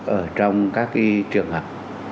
ở trong các cái trường hợp